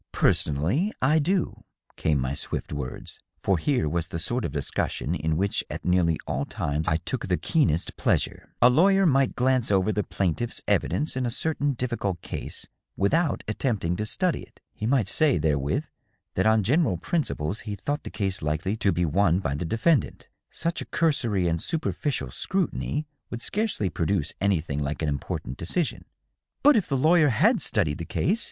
" Personally I do," came my swift words, for here was the sort of discussion in which at nearly all times I took the keenest pleasure. " A lawyer might glance over the plaintiff's evidence in a certain difficult case, without attempting to study it. He might say, therewith, that on general principles he thought the case likely to be won by the defendant. Such a cursory and superficial scrutiny would scarcely produce anything like an important decision." " But if the lawyer had studied the case